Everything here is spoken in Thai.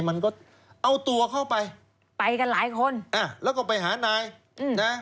มันก็เอาตัวเข้าไปไปกันหลายคนอ่าแล้วก็ไปหานายอืมนะ